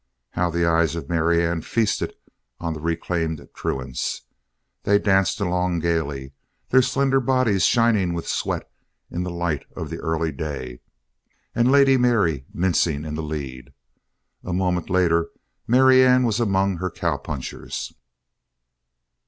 How the eyes of Marianne feasted on the reclaimed truants! They danced along gaily, their slender bodies shining with sweat in the light of the early day, and Lady Mary mincing in the lead. A moment later, Marianne was among her cowpunchers.